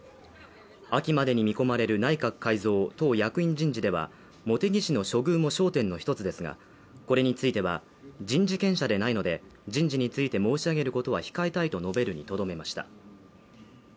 秋までに見込まれる内閣改造党役員人事では、茂木氏の処遇も焦点の一つですが、これについては、人事権者でないので、人事について申し上げることは控えたいと述べるにとどめました。